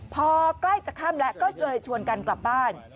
พอใกล้จะค่ำแล้วก็เลยชวนกันกลับบ้าน